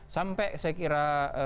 sampai saya kira